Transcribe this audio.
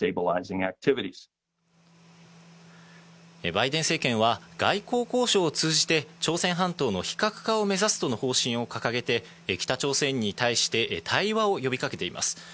バイデン政権は外交交渉を通じて、朝鮮半島の非核化を目指すとの方針を掲げて、北朝鮮に対して対話を呼びかけています。